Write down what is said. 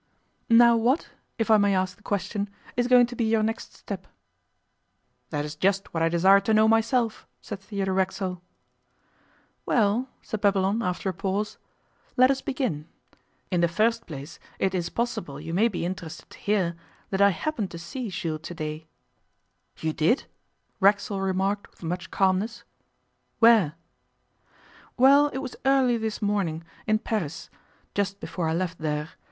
'Now what, if I may ask the question, is going to be your next step?' 'That is just what I desire to know myself,' said Theodore Racksole. 'Well,' said Babylon, after a pause, 'let us begin. In the first place, it is possible you may be interested to hear that I happened to see Jules to day.' 'You did!' Racksole remarked with much calmness. 'Where?' 'Well, it was early this morning, in Paris, just before I left there.